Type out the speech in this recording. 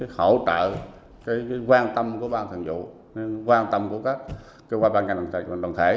hỗ trợ quan tâm của bang thường vụ quan tâm của các bang đồng thể